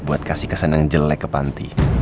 buat kasih kesan yang jelek ke panti